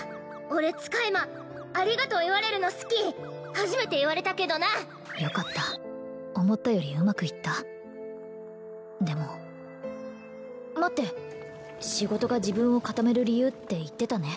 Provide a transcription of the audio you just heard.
俺使い魔ありがとう言われるの好き初めて言われたけどなよかった思ったよりうまくいったでも待って仕事が自分を固める理由って言ってたね